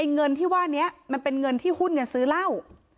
เงินที่ว่านี้มันเป็นเงินที่หุ้นซื้อเหล้า